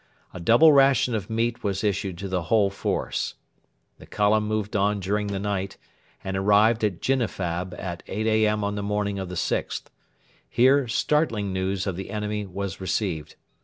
A double ration of meat was issued to the whole force. The column moved on during the night, and arrived at Ginnifab at 8 A.M. on the morning of the 6th. Here startling news of the enemy was received.